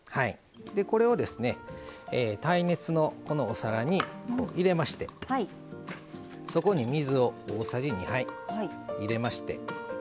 これを耐熱のお皿に入れましてそこに水を大さじ２杯入れまして。